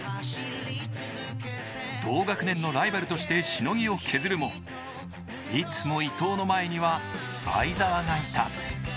同学年のライバルとしてしのぎを削るも、いつも伊藤の前には相澤がいた。